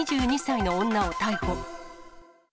２２歳の女を逮捕。